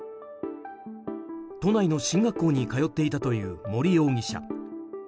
都内の進学校に通っていたという森容疑者。